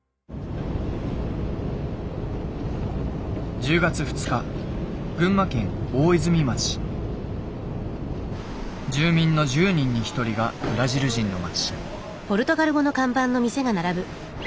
１０月２日住民の１０人に１人がブラジル人の町。